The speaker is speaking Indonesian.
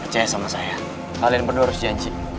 jaya sama saya kalian bener harus janji